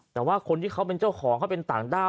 แต่ว่าคนที่เขาเป็นเจ้าของเขาเป็นต่างด้าว